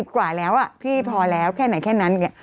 กว่าแล้วพี่พอแล้วแค่ไหนแค่นั้น